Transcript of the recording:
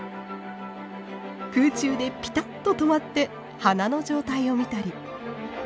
空中でピタッと止まって花の状態を見たり。